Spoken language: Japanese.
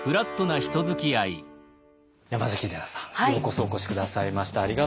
山崎怜奈さんようこそお越し下さいました。